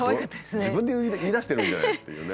自分で言いだしてるんじゃないっていうね。